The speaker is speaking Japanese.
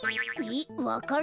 えっわか蘭？